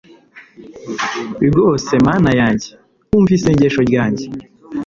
rwose, mana yanjye, umva isengesho ryanjye